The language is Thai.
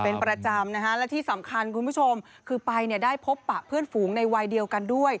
เป็นประจำนะฮะและที่สำคัญคุณผู้ชมคือไปเนี่ยได้พบปะเพื่อนฝูงในวัยเดียวกันด้วย